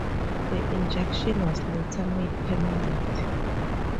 The injunction was later made permanent.